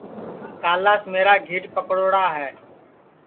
کالاس میرا گھیٹ پکڑوڑا ہے